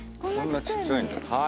こんなちっちゃいんだ。